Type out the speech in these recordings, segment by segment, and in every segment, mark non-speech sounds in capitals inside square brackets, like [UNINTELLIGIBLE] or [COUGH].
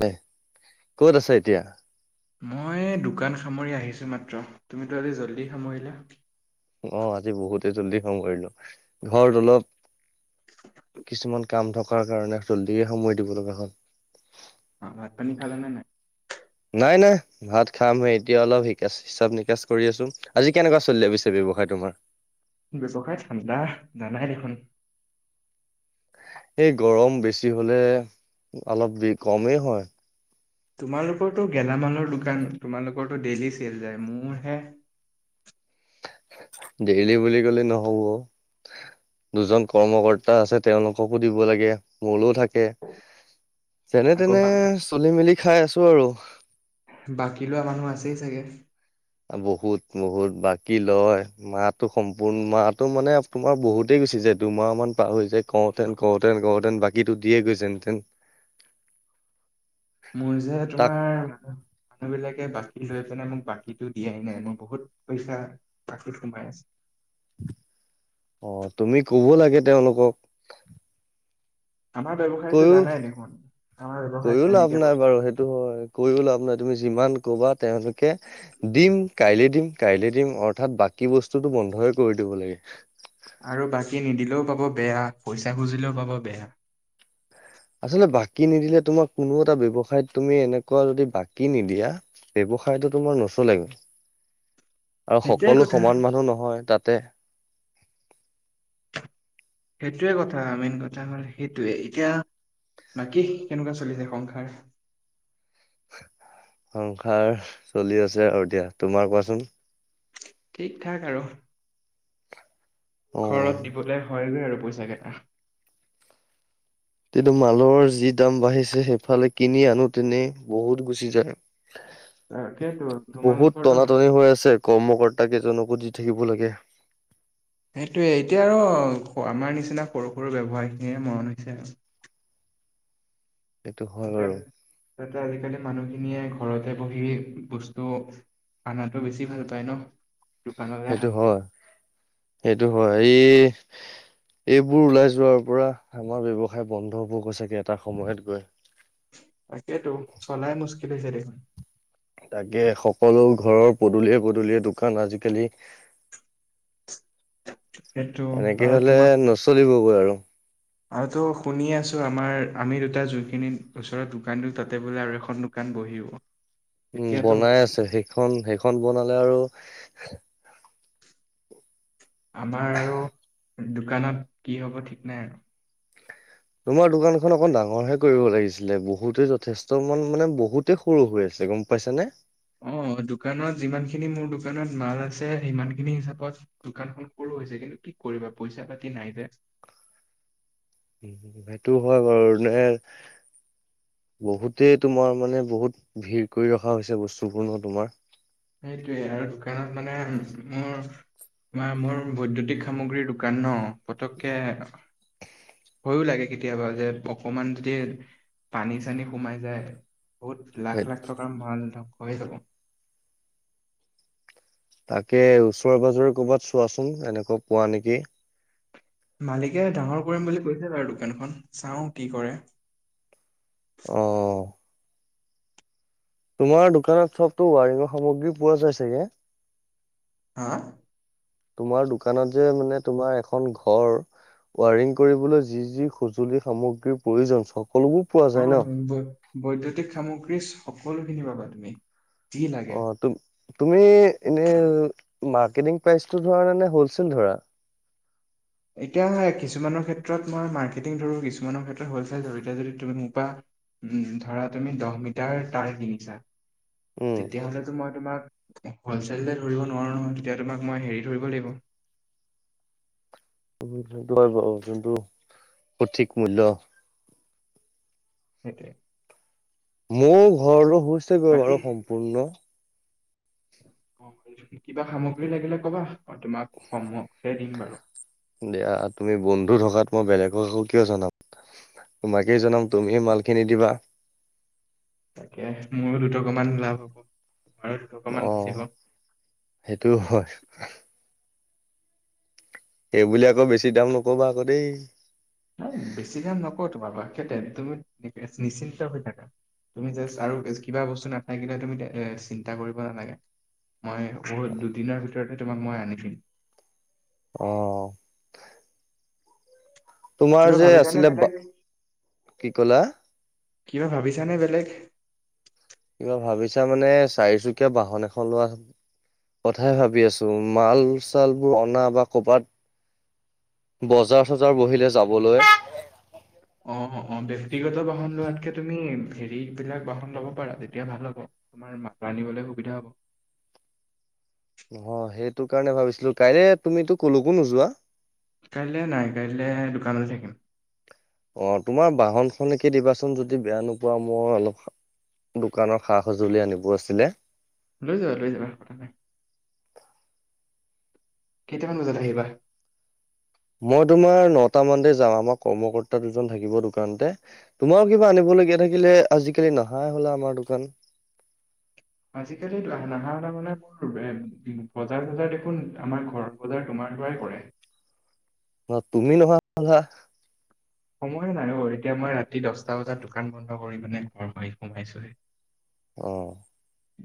দে ক'ত আছে এতিয়া মই দোকান সামৰি আহিছোঁ মাত্ৰ তুমিতো আজি জল্দি সামৰিলা অ আজি বহুতে জল্দি খং কৰিলো ঘৰত অলপ কিছুমান কাম থকাৰ কাৰণে জল্দিয়ে সময় দিব লগা হয়। অ' ভাত পান খাল নাই নাই? নাই, নাই ভাত খাম হে এতিয়া অলপ শিকাচিচাপ নিকাচ কৰি আছো আজি কেনেকুৱা চলি আ পিছে। ব্যৱসায় তোমাৰ। ব্যৱসায় ঠাণ্ডা নাই জানাই দেখোন। এই গৰম বেছি হলে অলপ কমেই হয়। তোমালোকৰটো গেলামালৰ দোকান। তোমালোকৰটো ডেইলি চেল যাই মোৰ হে ডেইলি বুলি কলে নহব। দুজন কৰ্মকৰ্তা আছে তেওঁলোককো দিব লাগে মোৰো থাকে। আকৌ যেনে-তেনে বাকী চলি মেলি খাই আছো আৰু। তাকে। বহুত, বহুত বাকী লয় মাহো সম্পূৰ্ণ মো মানে তোমাৰ বহুতেই গুচি যে দুমাহ মান পাৰ হৈ যায় কওঁতেন কোতেন কওঁতেন বাকীতো দিয়ে গৈছেহেঁতেন [UNINTELLIGIBLE] [INAUDIBLE] মোৰ যে তোমাৰ মান মানুহ বিলাকে বাকী লৈ পিনে মোক বাকী সটো দিয়াই নাই মই বহুত পইচা বাকি সোমাই আছে। অ, তুমি কব লাগে তেওঁলোকক। আমাৰ ব্যৱসায়তো কৈও জানাই দেখোন, আমাৰ কৈও ব্য্য়ৱসায়ত লাভ এনেকে নাই বাৰু বস্তু সেইটো হয় কৈও লাভ নাই তুমি যিমান ক'বা তেওঁলোকে দিম কাইলে দিম কাইলে দিম অৰ্থাৎ বাকি বস্তুতটো ম বন্ধই কৰি দিব লাগে। আৰু বাকী নিদিলেও পাব বেয়া পইচা খুজিলেও পাব বেয়া। আচলতে বাকী নিদিলে তোমাৰ কোনো এটা ব্য়ৱসায়ত তুমি এনেকুৱা যদি বাকি নিদিয়া ব্যৱসায়টোো তোমাৰ নচলেগে। আৰু সেইটোৱে সকলো কথা সমান মানুহ নহয়, তাতে। সেইটোৱে কথা মেইন কথা, হল সেইটোৱে। এতিয়া, বাকী কেনেকুৱা চলিছে সংসাৰ? সংসাৰ চলি আছে আৰু দিয়া। তোমাৰ কোৱাচোন? ঠিক ঠাক আৰু। ঘৰত অ'। দিবলৈ হয়গৈ আৰু পইচাকেইটা। কিন্তু মালৰ যি দাম বাঢ়িছে সেইফালে কিনি আনো তেনে বহুত গুচি যায়। তাকেতো বহুত তোমালোকৰতো টনাটনি হৈ আছে কৰ্মকৰ্তা কেইজনো। দি থাকিব লাগে। সেইটোয়ে এতিয়া আৰু আমাৰ নিচিনা সৰু-সৰু ব্যৱসায় খিনিয়ে মৰন হৈছে আৰু। সেইটো ত হয় বাৰু। ত আধিকি মানু [UNINTELLIGIBLE] খিনিয়ে ঘৰতে বহি বস্তু আনাতো বেছি ভাল পায় ন। দোকানলৈ সেইটো আহাতকে হয়, সেইটো হয়। এই, এইবোৰ ওলাই যোৱাৰ পৰা আমাৰ বব্যৱসায় বন্ধ হ'ব গৈ চাগে এটা সময়ত গৈ। তাকেতো চলাই মুস্কিল হৈছে দেখোন। তাকে সকলো ঘৰৰ পদূলিয়ে-পদুলিয়ে দোকান আজিকালি। সেইটো এনেকে আৰু হলে তোমাৰ নচলিবগৈ আৰু। আৰুতো শুনি আছো আমাৰ আমি দুটা জুইখিনি ওচৰত দোকান দিল তাতে বোলে আৰু এখন দোকান বহিব। উম, এতিয়াতো বনাই হৈছে আছে সেইখন সেইখন বনালে আৰু আমাৰ আৰু দোকানত কি হ'ব ঠিক নাই আৰু। তোমাৰ দোকানখনন অকন ডাঙৰহে কৰিব লাগিছিলে, বহুতে যথেষ্ট মান মানে বহুতে সৰু হৈ আছিল। ত গম পাইছ নে? অ, দোকানত যিমান খিনি মোৰ দোকানত মাল আছে সিমান খিনি হিচাপত দোকান খ কৰুো হৈছে কিন্তু। কি, কৰিবা পইচা পাতি নাই যে। উম, সেইটো হয় বাৰু নে বহুতে তোমাৰ মানে বহুত ভিৰ কৰি ৰখা হৈছে বস্তুবোৰ ন তোমাৰ সেইটোয়ে আৰু দোকানত মানে মোৰ। মা মোৰ বৈদ্যুতিক সামগ্ৰীৰ দোকান ন পতককে ভৈয়ো লাগে কেতিয়াবা যে অকমান যদি পানী চানী সোমাই যায় বহুত সেই লাখ লাখ টকাৰ মাল ধ্বংস হৈ যাব। তাকে ওচৰেৰে পাজৰে কৰ'বাত চোৱাচোন এনেকুৱা পোৱা নেকি? মালিকে ডাঙৰ কৰিম বুলি কৈছে বাৰু দোকানখন চাওঁ কি কৰে। অ তোমাৰ দোকানত চবতো ৱাৰিঙৰ সামগ্ৰী পোৱা যায় চাগে? হা তোমাৰ দোকানত যে মানে তোমাৰ এখন ঘৰ ৱাৰিং কৰিবলৈ যি যি সজুলি সামগ্ৰী পয়োজন অ বৈদতিক সামগ্ৰী সকলোখিনি পাবা তুমি যি অ লাগে। তুম তুমি এনেই মাৰ্কেটিং প্ৰাইচটো ধৰাে হলচেল ধৰা? এতিয়া কিছুমানৰ ক্ষেত্ৰত মই মাৰ্কেটিং ধৰো, কিছুমানৰ ক্ষেত্ৰত হ'লচেল ধৰো, এতিয়া যদি তুমি মুপা উম ধৰা তুমি দহ মিটাৰ তাৰ কিনিছা, উম তেতিয়া হলে তোমাক। তোমাক হলছেলে ধৰিব নোৱাৰো নহৈ তেতিয়া তুমাক মই হেৰি ধৰিব লাগিব। [UNINTELLIGIBLE] যোনটো সঠিক মূল্য। সেইটোৱে মোৰ ঘৰ টো হৈছে গৈ বাকী বাৰু সম্পূৰ্ণ। কিবা সামগ্ৰী লাগিলে কবা? মই তোমাক কমতে দিম বাৰু দিয়া তুমি বন্ধু থকাত। মই বেলেগক ককো কিয় জনাম, তোমাকেই জনাম তুমি হে মাল কিনিদিবা। তাকে মোৰো দুটক মান লাভ হ'ব। আৰু অ দুটকামান বাচিব। সেইটো হয় সেইবুলি আকৌ বেছি দাম নকবা আকৌ দেই? নাই বেছি কাম নকও তোমাপা থেতথেত তুমি নিশ্চিন্ত হৈ থাকা। তুমি জাষ্ট আৰু কিবা বস্তু নাথাকিলে তুমি এ চিন্তা কৰিব নালাগে। মই বহুত দুদিনৰ ভিতৰতে তোমাক মই আনিদিম। অহ তোমাৰ কিবা যে ভাবিছানে আছিলে বা, বেলেগ কি কলা? কিবা ভাবিছানে বেলেগ? পিছা মানে চাৰিচুকীয়া বাহন এখন লোৱা কথাই ভাবি আছো, মাল চাল বোৰ অনা বা কৰ'বাত বজাৰ চজাৰ বহিলে যাবলৈ। অ অ ব্যক্তিগত বাহন লোৱাতকে তুমি হেৰি বিলাক বাহন লব পাৰা, তেতিয়া ভাল হ'ব। তোমাৰ মালআনিবলে সুবিধা হব। অহ সেইটো কাৰণে ভাবিছিলো, কাইলৈ তুমিতো কলকো নোযোৱা? কাইলে নাই কাইলে দোকানতে থাকিম। অ তোমাৰ বাহন খনেকে দিবাচোন যদি বেয়া নোপোৱা, মই অলপ দোকানৰ সা সঁজুলি আনিব আছিলে। লৈ যাবা লৈ যাবা, কথা নাই। কেইটামান বজাত আহিবা? মই তোমাৰ নটা মানতে যাম আমাৰ কৰ্মকৰ্তা দুজন থাকিব দোকানতে, তোমাৰো কিবা আনিব থাকিলে, আজিকালি নহাই হল আমাৰ দোকান। আজিকালি নাহা হলা মানে মোৰ বজাৰ চজাৰ দেখোন আমাৰ ঘৰৰ বজাৰ তোমাৰ অন্দুৱাই কৰে। [INAUDIBLE] তুমি নহোৱা ভাল হা [UNINTELLIGIBLE] সময় নাই অ। এতিয়া মই ৰাতি দহটা বজাত দোকান বন্ধ কৰি মানে ঘৰ সোমাইছোহে। অহ।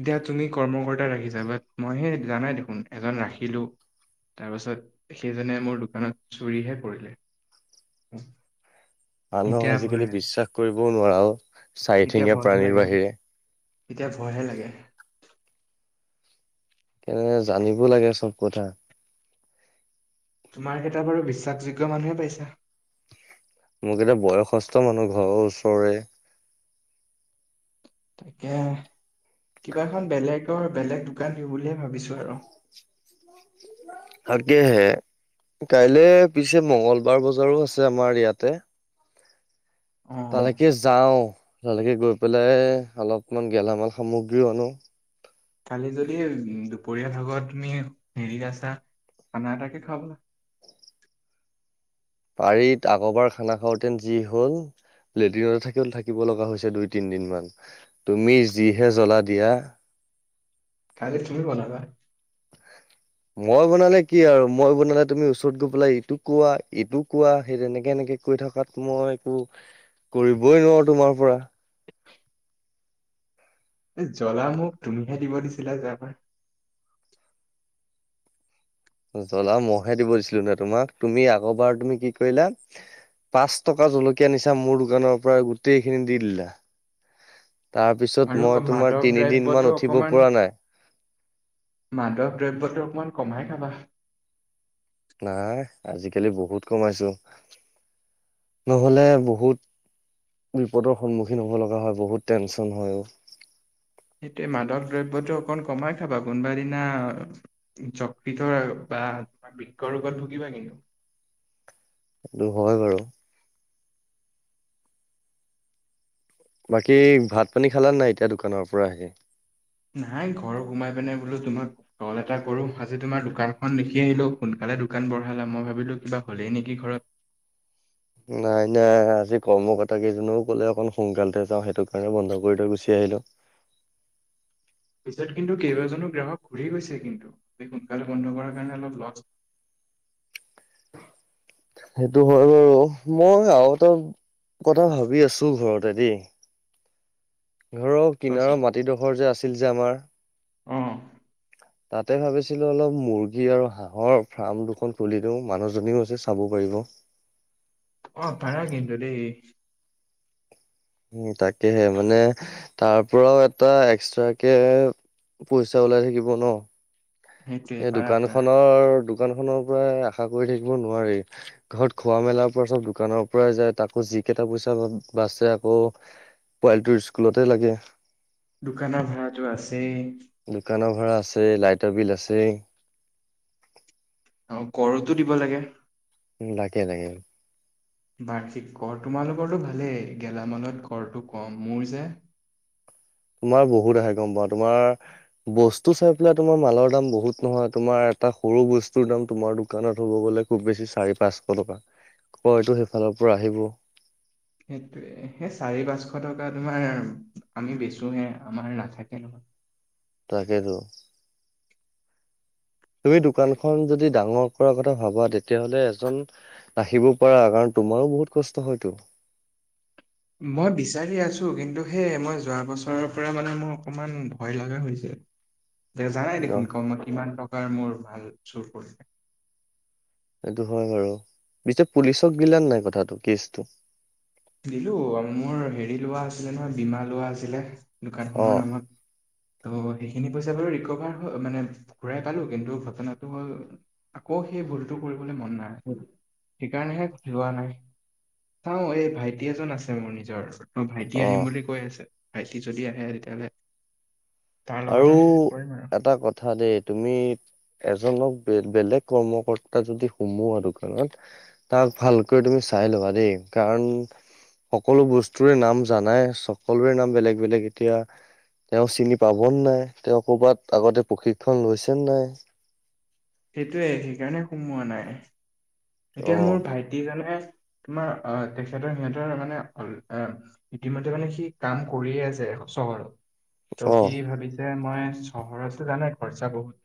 এতিয়া তুমি কৰ্মকৰ্তা ৰাখিছা, বাট মই সে জানাই দেখোন এজন ৰাখিলো। তাৰ পাছত সেইজনে মোৰ দোকানত চুৰিহে কৰিলে। মানুহ এতিয়া ভয় আজিকালি বিশ্বাস কৰিবও নোৱাৰা, এতিয়া চাৰিঠেঙীয়া ভয়হে প্ৰাণীৰ লাগে বাহিৰে। এতিয়া ভয়হে লাগে। কেনে জানিব লাগে চব কথা। তোমাৰ কেইটা বাৰু বিশ্বাসযোগ্য মানুহে পাইছা। মোক এতিয়া বয়সস্থ মানুহ ঘৰৰ ওচৰৰে। তাকে। কিবাখন বেলেগৰ বেলেগ দোকান দি বুলিয়ে ভাবিছোঁ আৰু। আেহ [UNINTELLIGIBLE] কাইলৈ পি - ছে মংগলবাৰ বজাৰো আছে আমাৰ ইয়াতে। অ' তালেকে যাও। তালৈকে গৈ পেলাই অলপমান গেলামাল সামগ্ৰীও আনো। কালি যদি দুপৰীয়া ভাগত তুমি হেৰি আছা, খানা এটাকে খাও বলা। পাৰি আগৰবাৰ খানা খাওঁতেন যি হল, লেট্ৰিনতে থাকিল থাকিব লগা হৈছে দুই তিনদিন মান, তুমি যিহে জ্বলা দিয়া। [INAUDIBLE] খালি তুমি বনাবা। মই বনালে কি আৰু মই বনালে তুমি ওচৰত গৈ পেলাই ইটো কোৱা ইটো কোৱা সেই তেনেকে এনেকে, কৈ থকাত মই একো কৰিবই নোৱাৰো তোমাৰ পৰা। এ জ্বলা মোক তুমিহে দিব দিছিলা যোৱাবাৰ। জ্বলা মইহে দিব দিছিলো নে তোমাক, তুমি আগৰ বাৰ তুমি কি কৰিলা, পাঁচ টকা জলকীয়া নিচা মোৰ দোকানৰ পৰা গোটেইখিনি দি দিলা। তাৰ পিছত আৰু মই তোমাৰ মাদক তিনিদিন দ্ৰব্যটো মান উঠিব অকমান পৰা নাই। মাদক দ্ৰব্যটো অকমান কমাই খাবা। নাই আজিকালি বহুত কমাইছো। নহলে বহুত বিপদৰ সন্মুখীন হ'ব লগা হয়, বহুত টেনচন হয়। সেইটোয়ে মাদক দ্ৰব্যটো অকমান কমাই খাবা, কোনোবা দিনা যকৃতৰ আহ তোমাৰ বৃক্ৰ ৰোগত ভুগিবা কিন্তু। সেইটো হয় বাৰু। বাকী ভাত পানী খালা নাই এতিয়া দোকানৰ পৰা আহি? নাই ঘৰ সোমাই পিনে বোলো তোমাক কল এটা কৰো। আজি তোমাৰ দোকানখন দেখি আহিলো। সোনকাল লে দোকান বঢ়ালা। মই ভাবিলো কিবা ক'লেই নেকি ঘৰত। [INAUDIBLE] নাই, নাই। আজি কৰ্মকৰ্তা কেইজনেও ক'লে অকন সোনকালতে যাও, সেইটো কাৰণে বন্ধ কৰি থৈ গুচি আহি আহিলোঁ তত কিন্তু কেইবাজনো গ্ৰাহক ঘুৰি গৈছে কিন্তু, সোনকালে বন্ধ কৰাৰ কাৰণে অলপ লছ [INAUDIBLE] সেইটো হয় বাৰু। মই আৰু এটা কথা ভাবি আছো ঘৰত। ত দেই। ঘৰৰ পাইছে কিনাৰৰ মাটিডোখৰ যে আছিল যে আমাৰ অ। তাতে ভাবিছিলো অলপ মুৰ্গী আৰু হাঁহৰ ফাৰ্ম দুখন খুলি দিও। মানুহজনীও আছে চাব পাৰি ব। অ পাৰা কিন্তু দেই। উ তাকেহে। মানে তাৰ পৰাও এটা এক্সট্ৰাকে পইচা ওলাই থাকিব ন? সেইটোৱে এই পাৰা দোকান পাৰা খনৰ দোকান খনৰ পৰাই আশা কৰি থাকিব নোৱাৰি। ঘৰত খোৱা মেলাবোৰ চব দোকানৰ পৰাই যায়। তাকো যি কেইটা পইচা বাছে আকৌ পোৱালিটোৰ স্কুলতে লাগে। দোকানৰ ভাড়াটো আছেই। দোকানৰ ভাৰা আছে, লাইটৰ বিল আছেই। আৰু কৰতো দিব লাগে? উ লাগে, লাগে। বাৰ্ষিক কৰ তোমালোকৰটো ভালেই। গেলামালত কৰটো কম। মোৰ যে তোমাৰ বহুত আহে গম পাও। তোমাৰ বস্তু চাই পেলাই তোমাৰ মালৰ দাম বহুত নহয়। তোমাৰ এটা সৰু বস্তুৰ দাম তোমাৰ দোকানত হ'ব গলে খুব বেছি চাৰি পাঁচশ টকা। কইটো সেইফালৰ পৰা আহিব। সেইটোৱে সেই চাৰি পাঁচশ টকা তোমাৰ আমি বেচোহে। আমাৰ নাথাকে নহয়। তাকেতো। তুমি দোকানখন যদি ডাঙৰ কৰা কথা ভাবা, তেতিয়াহলে এজন নাখিব পাৰা কাৰণ তোমাৰো বহুত কষ্ট হয়তো। মই বিচাৰি আছো, কিন্তু সেই মই যোৱা বছৰৰ পৰা মানে মোৰ অকমান ভয় লগা হৈছে। [INAUDIBLE] দে জানাই অ দেখোন। [UNINTELLIGIBLE] কিমান টকাৰ মোৰ ভাল চুৰ কৰিলে। সেইটো হয় বাৰু। পিছে পুলিচক দিলানে নাই কথাটো, কেচটো? দিলো। মোৰ হেৰি লোৱা আছিলে নহয়, বীমা লোৱা আছিলে। অ দোকানখনৰ নামত। ত' সেইখিনি পইচা বাৰু ৰিকভাৰ মানে ঘূৰাই পালো। কিন্তু ঘটনাটো হ'ল আকৌ সেই ভুলটো কৰিবলে মন নাই। সেইকাৰণেহে লোৱা নাই। চাওঁ এই ভাই ভাইটি এজন আছে মোৰ নিজৰ। ত ভাইটি অ আহিম বুলি কৈ আছে। ভাইটি যদি আহে তেতিয়াহলে তাৰ আৰু লগতে কৰিম আৰু এটা কথা দেই। তুমি এজনক বেলেগ কৰ্মকৰ্তা যদি সোমোৱা দোকানত, তাক ভালকৈ তুমি চাই ল'বা দেই। কাৰণ সকলো বস্তুৰে নাম জানাই। সকলোৰে নাম বেলেগ বেলেগ, এতিয়া তেওঁ চিনি পাব নাই? তেওঁ কবাত আগতে প্ৰশিক্ষণ লৈছে নাই? সেইটোৱে সেইকাৰণে সোমোৱা নাই। এতিয়া অ', মোৰ ভাইটিজনে তোমাৰ অ তেখেতৰ সিহঁতৰ মানে অ ইতিমধ্যে মানে সি কাম কৰিয়ে আছে। চহৰত। ছ সি অ', ভাবিছে মই চহৰতটো জানই খৰচা বহুত।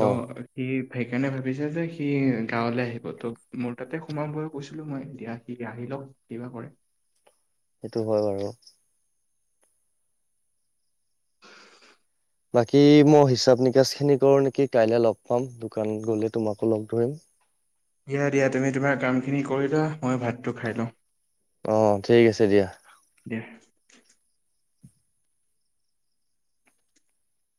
ত' অ', সি সেইকাৰণে ভাবিছে যে সি গাঁৱলে আহিব। ত মোৰ তাতে সোমাম বুলি কৈছিলো মই এতিয়া সি আহি লওক কিবা কৰে। সেইটো হয় বাৰু। বাকী মই হিচাপ নিকাচ খিনি কৰো নেকি কাইলৈ লগ পাম দোকানত গলে তোমাকো লগ ধৰিম। দিয়া দিয়া তুমি তোমাৰ কামখিনি কৰিলোৱা মই ভাতটো খাই লওঁ। অ ঠিক আছে দিয়া। দিয়া